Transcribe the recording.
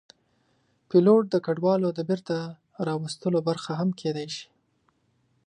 پیلوټ د کډوالو د بېرته راوستلو برخه هم کېدی شي.